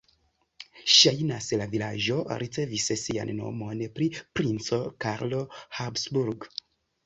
Ŝajnas, la vilaĝo ricevis sian nomon pri princo Karlo Habsburg.